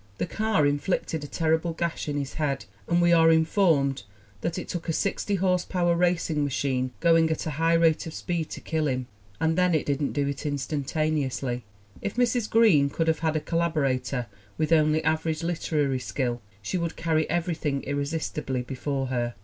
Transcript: The car inflicted a terrible gash in his head and we are informed that "it took a sixty horsepower racing machine going at a high rate of speed to kill him"! And then it didn't do it instantaneously! If Mrs. Green could have had a collaborator with only average literary skill she would carry everything irresistibly before her.